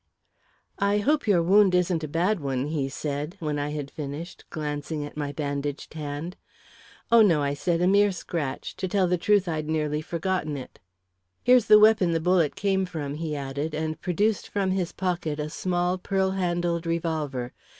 "I hope your wound isn't a bad one," he said, when I had finished, glancing at my bandaged hand. "Oh, no," I said; "a mere scratch. To tell the truth, I'd nearly forgotten it." "Here's the weapon the bullet came from," he added, and produced from his pocket a small, pearl handled revolver.